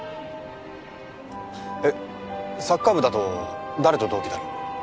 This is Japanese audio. えっサッカー部だと誰と同期だろ？